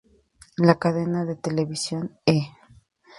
La cadena de televisión "E!